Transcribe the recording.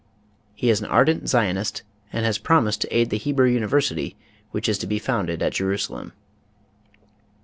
He is an ardent Zionist and has promised to aid the Hebrew university which is to be founded at Jerusalem.